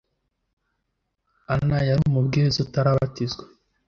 Anna yari umubwiriza utarabatizwa